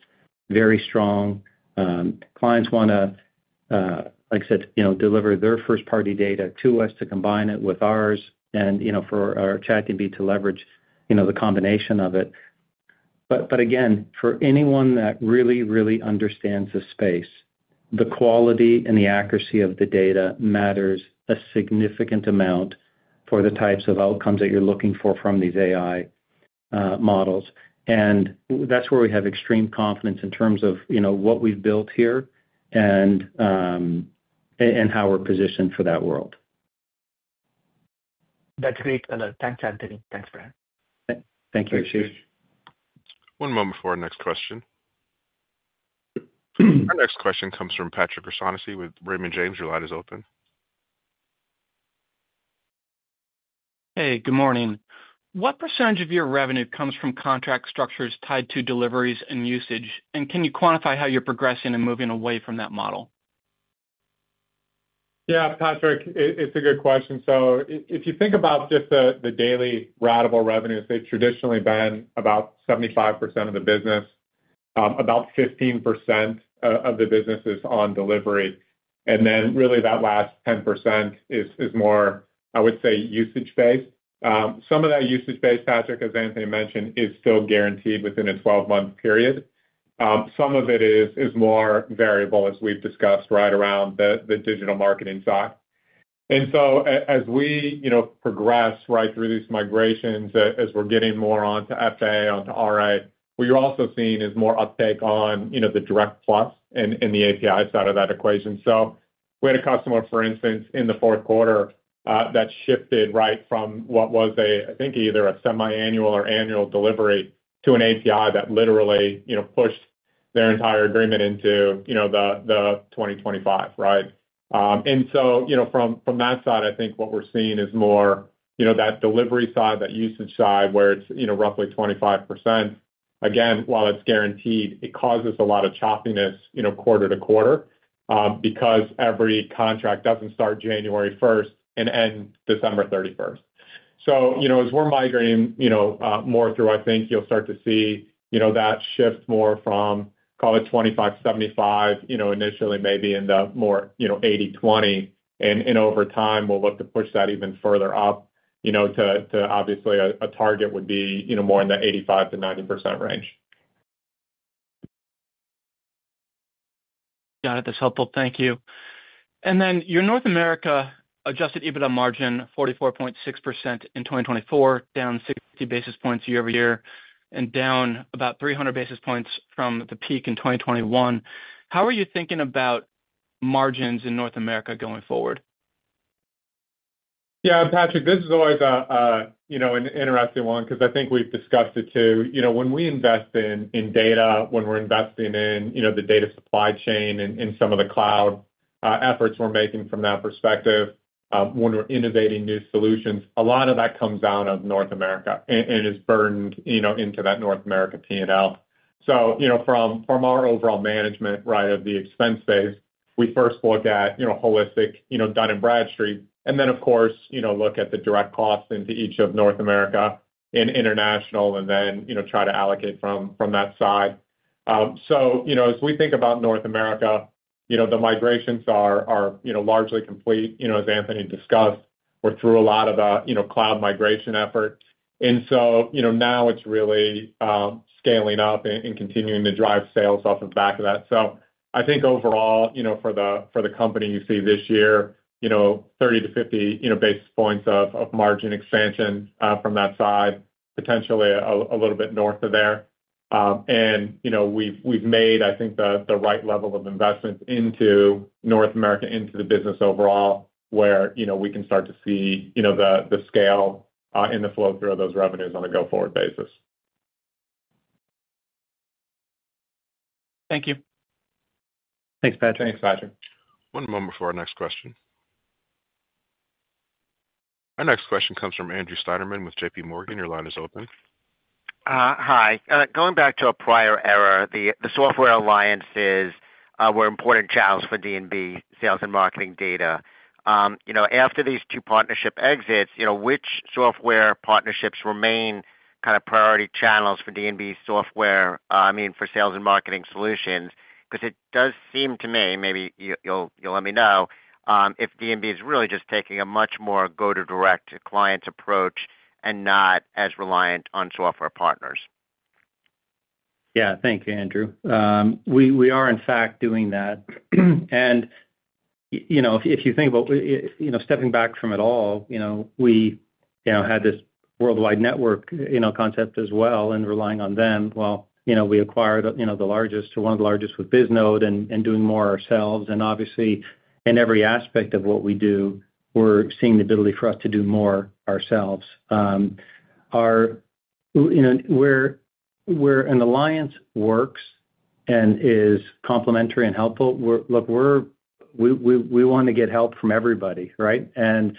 S3: very strong. Clients want to, like I said, deliver their first-party data to us to combine it with ours and for our ChatD&B to leverage the combination of it. But again, for anyone that really, really understands the space, the quality and the accuracy of the data matters a significant amount for the types of outcomes that you're looking for from these AI models. And that's where we have extreme confidence in terms of what we've built here and how we're positioned for that world.
S8: That's great color. Thanks, Anthony. Thanks, Bryan.
S3: Thank you, Ashish.
S1: One moment before our next question. Our next question comes from Patrick O'Shaughnessy with Raymond James. Your line is open.
S9: Hey, good morning. What percentage of your revenue comes from contract structures tied to deliveries and usage? And can you quantify how you're progressing and moving away from that model?
S4: Yeah, Patrick, it's a good question. So if you think about just the daily ratable revenue, it's traditionally been about 75% of the business, about 15% of the business is on delivery. And then really that last 10% is more, I would say, usage-based. Some of that usage-based, Patrick, as Anthony mentioned, is still guaranteed within a 12-month period. Some of it is more variable, as we've discussed, right around the digital marketing side. And so as we progress right through these migrations, as we're getting more onto FA, onto RA, what you're also seeing is more uptake on the Direct+ in the API side of that equation. So we had a customer, for instance, in the Q4 that shifted right from what was, I think, either a semi-annual or annual delivery to an API that literally pushed their entire agreement into the 2025, right? And so from that side, I think what we're seeing is more that delivery side, that usage side, where it's roughly 25%. Again, while it's guaranteed, it causes a lot of choppiness quarter to quarter because every contract doesn't start January 1st and end December 31st. So as we're migrating more through, I think you'll start to see that shift more from, call it 25-75 initially, maybe in the more 80-20. And over time, we'll look to push that even further up to, obviously, a target would be more in the 85%-90% range.
S9: Got it. That's helpful. Thank you. And then your North America adjusted EBITDA margin, 44.6% in 2024, down 60 basis points year over year and down about 300 basis points from the peak in 2021. How are you thinking about margins in North America going forward?
S4: Yeah, Patrick, this is always an interesting one because I think we've discussed it too. When we invest in data, when we're investing in the data supply chain and some of the cloud efforts we're making from that perspective, when we're innovating new solutions, a lot of that comes out of North America and is burdened into that North America P&L. So from our overall management, right, of the expense base, we first look at holistic Dun & Bradstreet. And then, of course, look at the direct costs into each of North America and international, and then try to allocate from that side. So as we think about North America, the migrations are largely complete. As Anthony discussed, we're through a lot of cloud migration effort. And so now it's really scaling up and continuing to drive sales off the back of that. So, I think overall, for the company, you see this year 30 to 50 basis points of margin expansion from that side, potentially a little bit north of there. And we've made, I think, the right level of investment into North America, into the business overall, where we can start to see the scale and the flow through of those revenues on a go-forward basis.
S9: Thank you.
S4: Thanks, Patrick.
S1: One moment before our next question. Our next question comes from Andrew Steinerman with J.P. Morgan. Your line is open.
S10: Hi. Going back to a prior error, the software alliances were important channels for D&B Sales and Marketing data. After these two partnership exits, which software partnerships remain kind of priority channels for D&B software? I mean, for Sales and Marketing solutions? Because it does seem to me, maybe you'll let me know, if D&B is really just taking a much more go-to-direct clients approach and not as reliant on software partners.
S3: Yeah. Thank you, Andrew. We are, in fact, doing that. And if you think about stepping back from it all, we had this worldwide network concept as well and relying on them. Well, we acquired the largest, one of the largest with Bisnode and doing more ourselves. And obviously, in every aspect of what we do, we're seeing the ability for us to do more ourselves. Where an alliance works and is complementary and helpful, look, we want to get help from everybody, right? And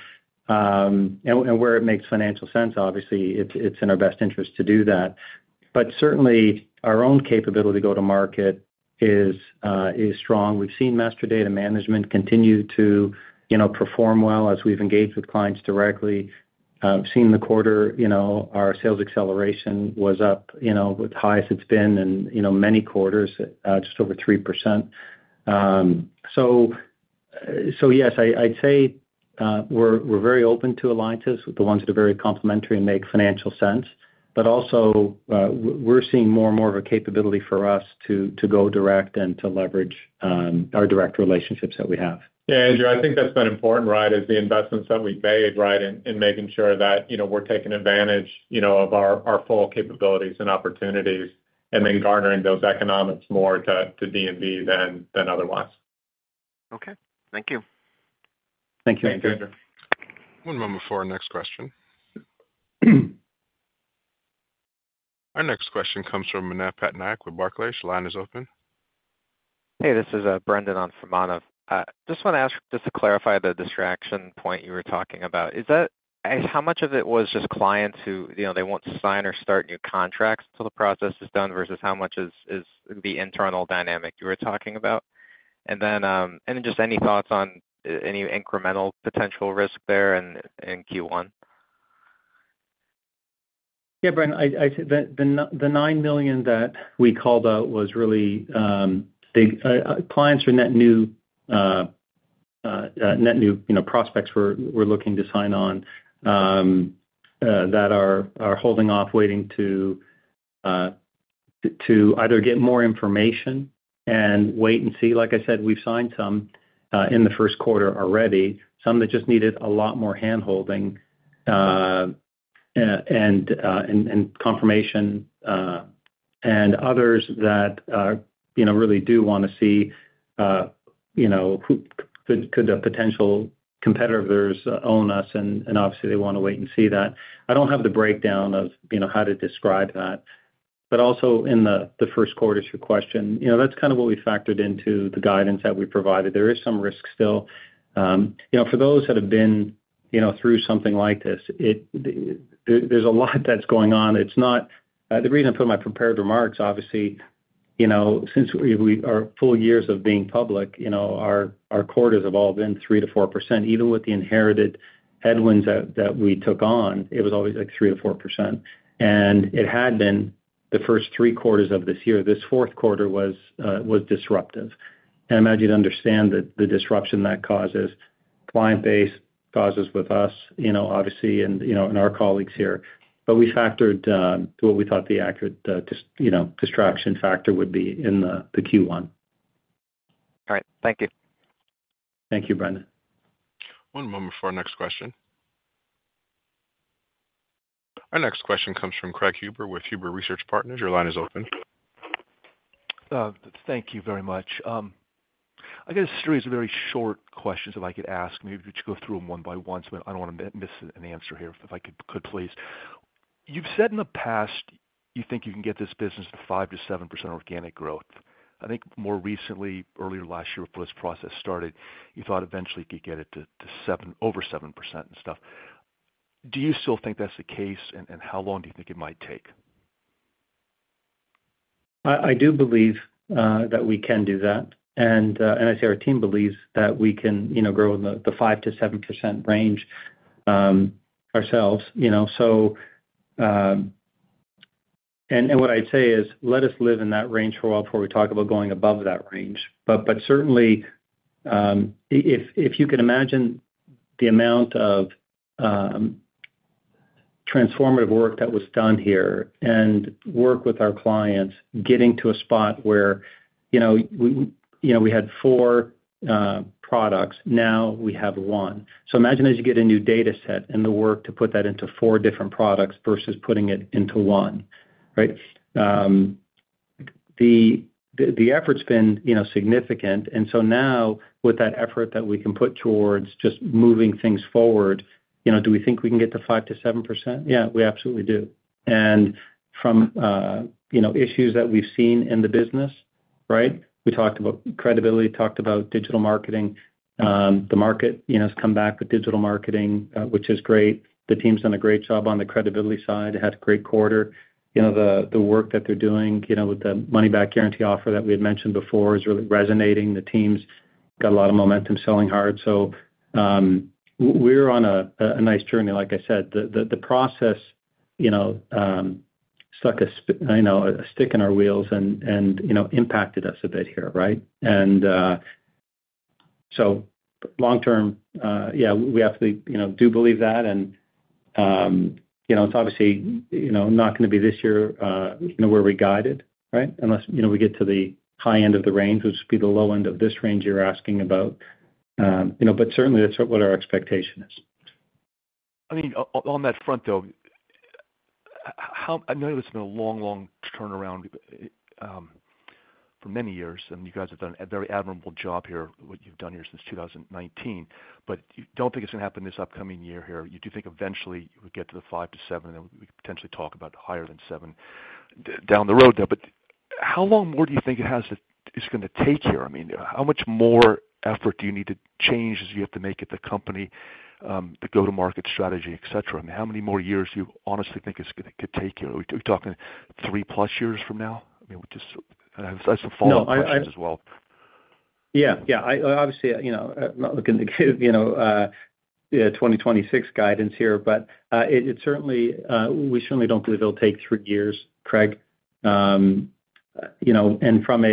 S3: where it makes financial sense, obviously, it's in our best interest to do that. But certainly, our own capability to go to market is strong. We've seen Master Data Management continue to perform well as we've engaged with clients directly. In the quarter, our sales acceleration was up to the highest it's been in many quarters, just over 3%. So yes, I'd say we're very open to alliances with the ones that are very complementary and make financial sense. But also, we're seeing more and more of a capability for us to go direct and to leverage our direct relationships that we have.
S4: Yeah, Andrew. I think that's been important, right, is the investments that we've made, right, in making sure that we're taking advantage of our full capabilities and opportunities and then garnering those economics more to D&B than otherwise.
S10: Okay. Thank you.
S3: Thank you, Andrew.
S1: One moment before our next question. Our next question comes from Manav Patnaik with Barclays. Your line is open.
S11: Hey, this is Brendan on for Manav. Just want to ask just to clarify the distraction point you were talking about. Is that how much of it was just clients who they won't sign or start new contracts until the process is done versus how much is the internal dynamic you were talking about? And then just any thoughts on any incremental potential risk there in Q1?
S3: Yeah, Brendan. The $9 million that we called out was really clients or net new prospects we're looking to sign on that are holding off, waiting to either get more information and wait and see. Like I said, we've signed some in the Q1 already, some that just needed a lot more handholding and confirmation, and others that really do want to see could the potential competitors own us? And obviously, they want to wait and see that. I don't have the breakdown of how to describe that. But also in the Q1's question, that's kind of what we factored into the guidance that we provided. There is some risk still. For those that have been through something like this, there's a lot that's going on. The reason I put my prepared remarks, obviously, since we are full years of being public, our quarters have all been 3%-4%. Even with the inherited headwinds that we took on, it was always like 3%-4%. And it had been the first three quarters of this year. This Q4 was disruptive. And I imagine you'd understand the disruption that causes client base, causes with us, obviously, and our colleagues here. But we factored what we thought the accurate distraction factor would be in the Q1.
S11: All right. Thank you.
S3: Thank you, Brendan.
S1: One moment before our next question. Our next question comes from Craig Huber with Huber Research Partners. Your line is open.
S12: Thank you very much. I guess a series of very short questions, if I could ask. Maybe we should go through them one by one. So I don't want to miss an answer here, if I could, please. You've said in the past, you think you can get this business to 5%-7% organic growth. I think more recently, earlier last year before this process started, you thought eventually you could get it to over 7% and stuff. Do you still think that's the case, and how long do you think it might take?
S3: I do believe that we can do that. And I say our team believes that we can grow in the 5%-7% range ourselves. And what I'd say is, let us live in that range for a while before we talk about going above that range. But certainly, if you can imagine the amount of transformative work that was done here and work with our clients getting to a spot where we had four products, now we have one. So imagine as you get a new data set and the work to put that into four different products versus putting it into one, right? The effort's been significant. And so now, with that effort that we can put towards just moving things forward, do we think we can get to 5%-7%? Yeah, we absolutely do. And from issues that we've seen in the business, right, we talked about credibility, talked about digital marketing. The market has come back with digital marketing, which is great. The team's done a great job on the credibility side. It had a great quarter. The work that they're doing with the money-back guarantee offer that we had mentioned before is really resonating. The team's got a lot of momentum selling hard. So we're on a nice journey. Like I said, the process stuck a stick in our wheels and impacted us a bit here, right? And so long-term, yeah, we absolutely do believe that. And it's obviously not going to be this year where we guided, right, unless we get to the high end of the range, which would be the low end of this range you're asking about. But certainly, that's what our expectation is.
S12: I mean, on that front, though, I know this has been a long, long turnaround for many years, and you guys have done a very admirable job here, what you've done here since 2019. But you don't think it's going to happen this upcoming year here. You do think eventually we'll get to the 5%-7%, and then we could potentially talk about higher than 7% down the road, though. But how long more do you think it's going to take here? I mean, how much more effort do you need to change as you have to make it the company, the go-to-market strategy, etc.? I mean, how many more years do you honestly think it could take here? Are we talking three-plus years from now? I mean, that's far-fetched as well.
S3: Yeah. Yeah. Obviously, I'm not looking to give a 2026 guidance here, but we certainly don't believe it'll take three years, Craig. And from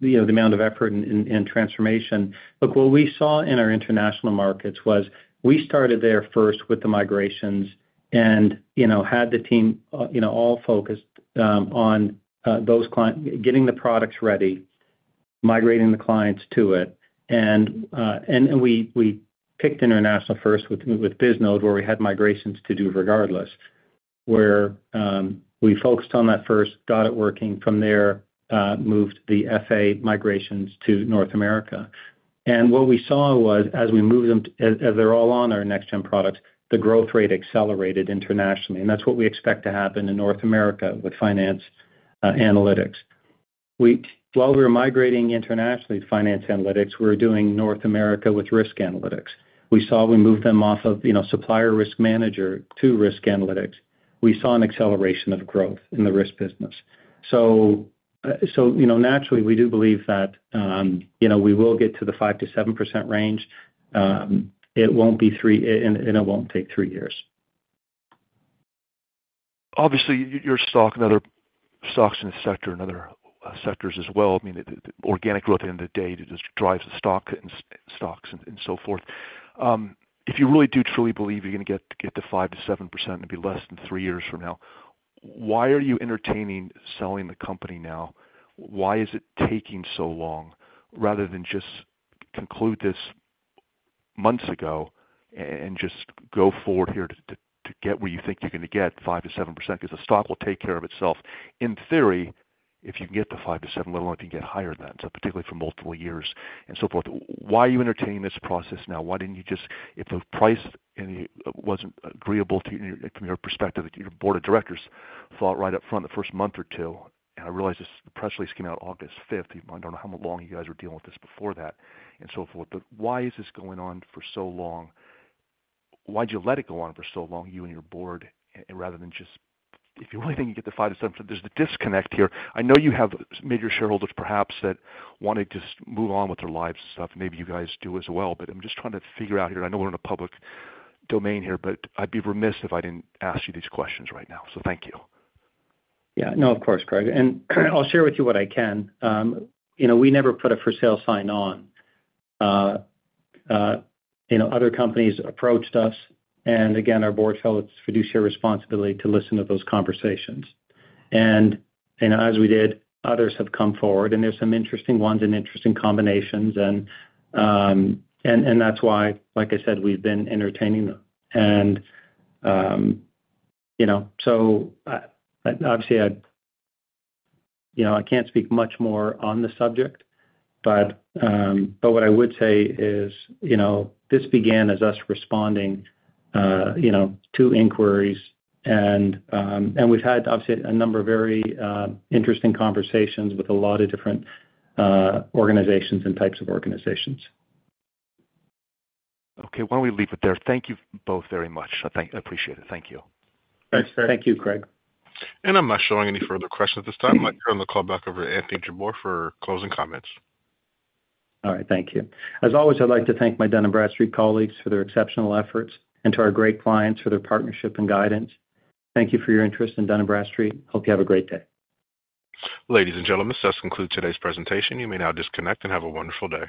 S3: the amount of effort and transformation, look, what we saw in our international markets was we started there first with the migrations and had the team all focused on getting the products ready, migrating the clients to it. And we picked international first with Bisnode, where we had migrations to do regardless, where we focused on that first, got it working. From there, moved the FA migrations to North America. And what we saw was, as we moved them, as they're all on our next-gen products, the growth rate accelerated internationally. And that's what we expect to happen in North America with Finance Analytics. While we were migrating internationally to Finance Analytics, we were doing North America with Risk Analytics. We saw we moved them off of supplier risk manager to Risk Analytics. We saw an acceleration of growth in the risk business. So naturally, we do believe that we will get to the 5%-7% range. It won't be three, and it won't take three years.
S12: Obviously, your stock and other stocks in the sector, in other sectors as well, I mean, organic growth at the end of the day just drives the stocks and so forth. If you really do truly believe you're going to get to 5%-7% and be less than three years from now, why are you entertaining selling the company now? Why is it taking so long rather than just conclude this months ago and just go forward here to get where you think you're going to get 5%-7%? Because the stock will take care of itself. In theory, if you can get to 5%-7%, let alone if you can get higher than that, particularly for multiple years and so forth, why are you entertaining this process now? Why didn't you just, if the price wasn't agreeable from your perspective, your board of directors thought right up front the first month or two? And I realize this press release came out August 5th. I don't know how long you guys were dealing with this before that and so forth. But why is this going on for so long? Why did you let it go on for so long, you and your board, rather than just if you really think you get to 5%-7%, there's a disconnect here. I know you have major shareholders, perhaps, that want to just move on with their lives and stuff. Maybe you guys do as well. But I'm just trying to figure out here. I know we're in a public domain here, but I'd be remiss if I didn't ask you these questions right now. So thank you.
S3: Yeah. No, of course, Craig. And I'll share with you what I can. We never put a for sale sign on. Other companies approached us. And again, our board felt its fiduciary responsibility to listen to those conversations. And as we did, others have come forward. And there's some interesting ones and interesting combinations. And that's why, like I said, we've been entertaining them. And so obviously, I can't speak much more on the subject. But what I would say is this began as us responding to inquiries. And we've had, obviously, a number of very interesting conversations with a lot of different organizations and types of organizations.
S12: Okay. Why don't we leave it there? Thank you both very much. I appreciate it. Thank you.
S3: Thanks, Craig.
S1: And I'm not showing any further questions at this time. I'm going to turn the call back over to Anthony Jabbour for closing comments.
S3: All right. Thank you. As always, I'd like to thank my Dun & Bradstreet colleagues for their exceptional efforts and to our great clients for their partnership and guidance. Thank you for your interest in Dun & Bradstreet. Hope you have a great day.
S1: Ladies and gentlemen, this does conclude today's presentation. You may now disconnect and have a wonderful day.